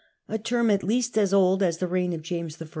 (a term at least as old as the reign of James I.)